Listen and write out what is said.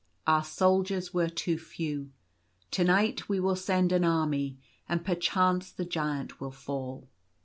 our soldiers were too few. To night we will send an army, and perchance the Giant will fall."